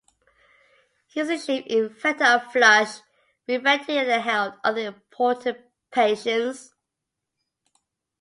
He was the chief inventor of flush riveting and held other important patents.